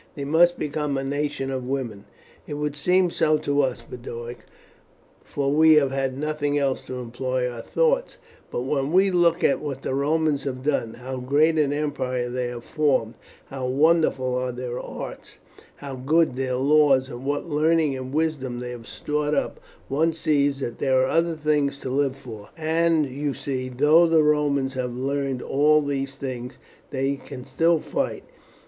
They must become a nation of women." "It would seem so to us, Boduoc, for we have had nothing else to employ our thoughts; but when we look at what the Romans have done, how great an empire they have formed, how wonderful are their arts, how good their laws, and what learning and wisdom they have stored up, one sees that there are other things to live for; and you see, though the Romans have learned all these things, they can still fight.